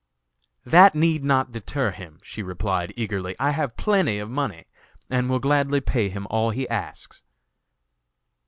"That need not deter him," she replied, eagerly. "I have plenty of money, and will gladly pay him all he asks."